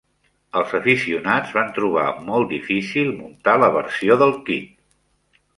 El aficionats van trobar molt difícil muntar la versió del kit.